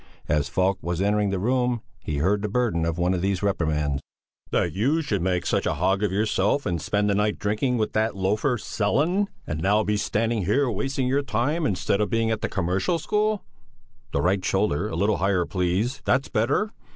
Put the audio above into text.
As Falk was entering the room he heard the burden of one of these reprimands: "That you should make such a hog of yourself and spend the night drinking with that loafer Sellén, and now be standing here wasting your time instead of being at the Commercial School! The right shoulder a little higher, please; that's better!